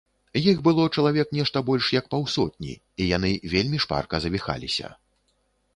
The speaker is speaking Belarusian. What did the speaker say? Іх было чалавек нешта больш як паўсотні, і яны вельмі шпарка завіхаліся.